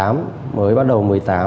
mới bắt đầu một mươi tám